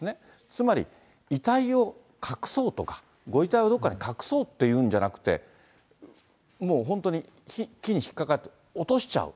つまり遺体を隠そうとか、ご遺体をどっかに隠そうというのじゃなくて、もう本当に、木に引っかかって、落としちゃう。